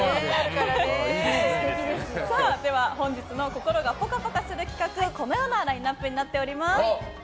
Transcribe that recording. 本日の心がぽかぽかする企画このようなラインアップになっています。